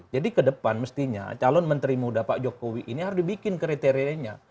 jadi ke depan mestinya calon menteri muda pak jokowi ini harus dibikin kriterianya